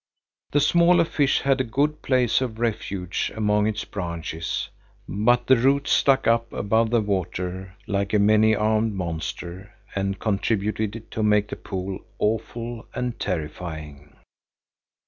The smaller fish had a good place of refuge among its branches, but the roots stuck up above the water like a many armed monster and contributed to make the pool awful and terrifying.